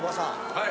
はい。